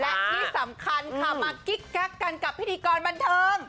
และที่สำคัญมากิ๊กกักกันกับพระพระพิธีกรบรรเทิง